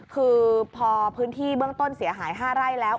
คือพอพื้นที่เบื้องต้นเสียหาย๕ไร่แล้ว